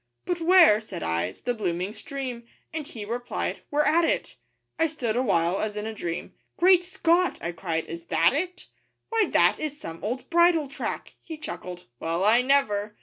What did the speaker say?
'But where,' said I, ''s the blooming stream?' And he replied, 'We're at it!' I stood awhile, as in a dream, 'Great Scott!' I cried, 'is that it? 'Why, that is some old bridle track!' He chuckled, 'Well, I never!